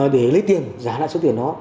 để lấy tiền giả lại số tiền đó